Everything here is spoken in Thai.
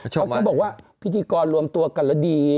เพราะเขาบอกว่าพิธีกรรวมตัวกันแล้วดี